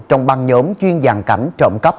trong băng nhóm chuyên giàn cảnh trộm cắp